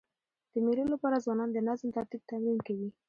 د مېلو له پاره ځوانان د نظم او ترتیب تمرین کوي.